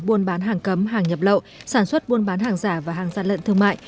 buôn bán hàng cấm hàng nhập lậu sản xuất buôn bán hàng giả và hàng gian lận thương mại